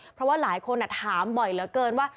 เพราะว่าหลายคนถามบ่อยเหลือเกินว่า